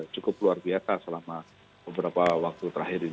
cukup luar biasa selama beberapa waktu terakhir ini